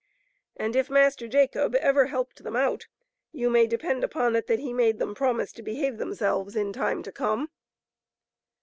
And if Master Jacob ever helped them out, you may depend upon it that he made them promise to behave themselves in time to come.